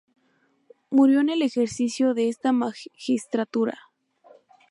Murió en el ejercicio de esta magistratura.